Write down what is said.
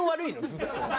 ずっと。